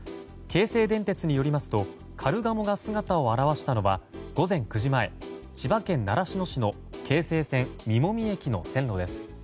京成電鉄によりますとカルガモが姿を現したのは午前９時前、千葉県習志野市の京成線実籾駅の線路です。